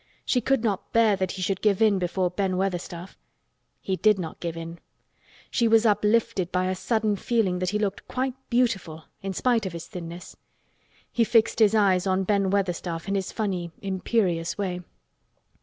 She could not bear that he should give in before Ben Weatherstaff. He did not give in. She was uplifted by a sudden feeling that he looked quite beautiful in spite of his thinness. He fixed his eyes on Ben Weatherstaff in his funny imperious way.